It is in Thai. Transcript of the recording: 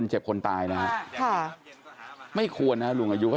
สัมพุทธิภาพสุรูป